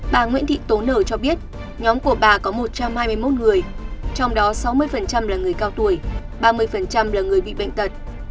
bà nguyễn thị tố nở cho biết nhóm của bà có một trăm hai mươi một người trong đó sáu mươi là người cao tuổi ba mươi là người bị bệnh tật